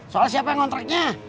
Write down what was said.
soal siapa yang kontraknya